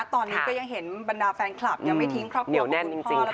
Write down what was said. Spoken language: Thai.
ตอนนี้ก็ยังเห็นบรรดาแฟนคลับยังไม่ทิ้งครอบครัวของคุณพ่อเลย